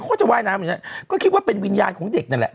เขาก็จะว่ายน้ำอย่างนั้นก็คิดว่าเป็นวิญญาณของเด็กนั่นแหละ